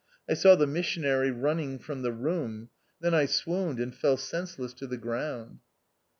I saw the missionary running from the room. Then I swooned and fell senseless to the ground.